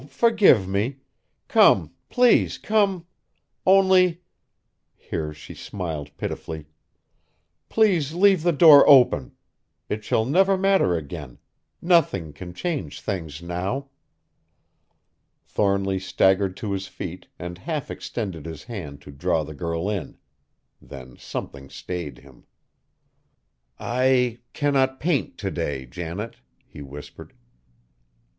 forgive me! Come, please, come, only" here she smiled pitifully "please leave the door open! It shall never matter again; nothing can change things now." Thornly staggered to his feet and half extended his hand to draw the girl in; then something stayed him. "I cannot paint to day, Janet," he whispered.